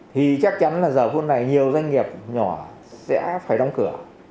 thì chắc chắn là giờ phút này nhiều doanh nghiệp nhỏ sẽ phải đóng cửa